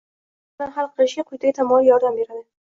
Bu masalani hal qilishga quyidagi tamoyil yordam beradi.